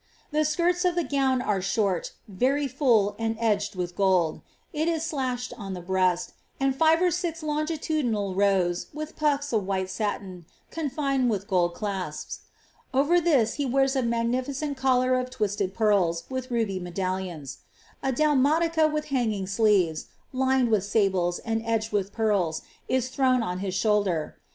The skirts of the gown ire short, very full, and edged with gold. It is sla^ihed on the breast, n &fe or six longitudinal rows, with puffs of white satin, confined with ^Id clasps. Over this he wears a magnificent collar of twisted pearls, rith ruby medallions; a dulmatica with hanging sleeves, lined with ables, and edged with pearls, is thrown on his sliouldcr.